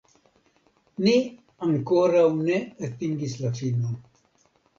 Ni ankoraŭ ne atingis la finon.